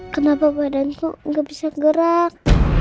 kenapa badanku nggak bisa gerak